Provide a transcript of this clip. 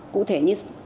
cụ thể như các chính sách